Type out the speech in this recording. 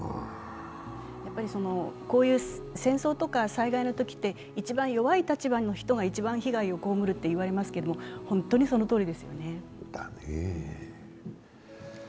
戦争とか災害のときって、一番弱い立場の人が一番被害を被るといわれますけど本当にそのとおりですよね。